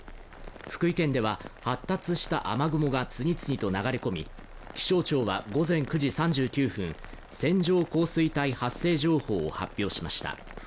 福井県では発達した雨雲が次々と流れ込み気象庁は午前９時３９分線状降水帯発生情報を発表しました